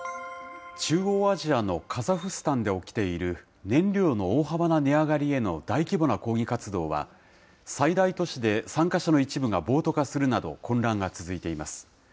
中央アジアのカザフスタンで起きている、燃料の大幅な値上がりへの大規模な抗議活動は、最大都市で参加者の一部が暴徒化するなど、混乱が続いています。